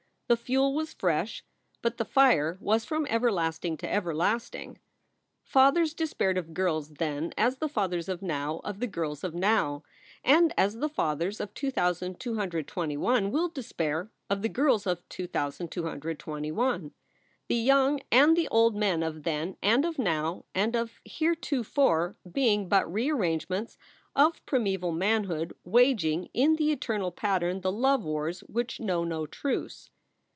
The fuel was fresh, but the fire was from everlasting to everlasting. Fathers despaired of girls then as the fathers of now of the girls of now; and as the fathers of 2221 will despair of the girls of 2221, the young and the old men of then and of now and of heretofore being but rearrangements of primeval manhood waging in the eternal pattern the love wars which know no truce.